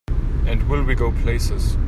And will we go places!